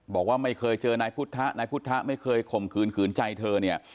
บอกว่าไม่เคยเจอนายพุทธนายพุทธะไม่เคยข่มขืนขืนใจเธอเนี่ย